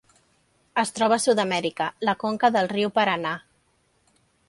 Es troba a Sud-amèrica: la conca del riu Paranà.